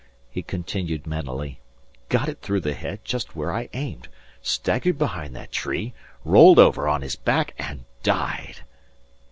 he continued mentally. "Got it through the head just where I aimed, staggered behind that tree, rolled over on his back and died."